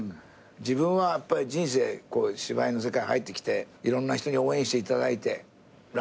自分はやっぱり人生芝居の世界入ってきていろんな人に応援していただいてラッキーだったなっていうか。